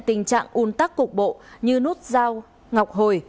tình trạng un tắc cục bộ như nút giao ngọc hồi